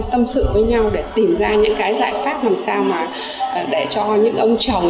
tâm sự với nhau để tìm ra những cái giải pháp làm sao mà để cho những ông chồng